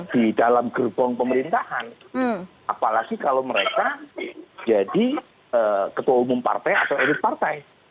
di dalam gerbong pemerintahan apalagi kalau mereka jadi ketua umum partai atau elit partai